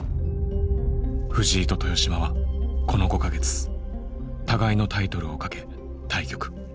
藤井と豊島はこの５か月互いのタイトルをかけ対局。